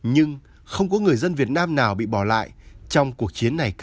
nhưng không có người dân việt nam nào bị bỏ lại trong cuộc chiến này cả